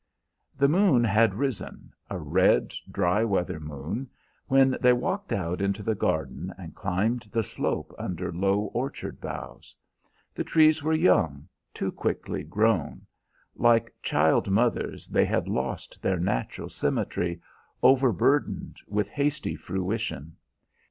The moon had risen, a red, dry weather moon, when they walked out into the garden and climbed the slope under low orchard boughs. The trees were young, too quickly grown; like child mothers, they had lost their natural symmetry, overburdened with hasty fruition.